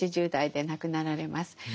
８０代で亡くなられます。